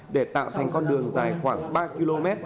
để tạo thành con đường dài khoảng ba km